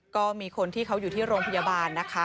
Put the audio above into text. ก็มีคนที่เขาอยู่ที่โรงพยาบาลนะคะ